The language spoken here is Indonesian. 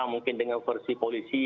mungkin dengan versi polisi